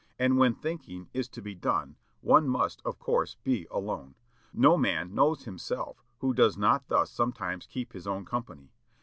And when thinking is to be done one must, of course, be alone. No man knows himself who does not thus sometimes keep his own company.